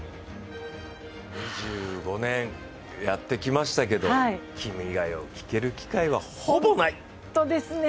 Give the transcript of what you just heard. ２５年やってきましたけど、「君が代」を聴ける機会は、ほぼない。